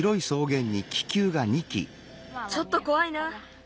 ちょっとこわいな。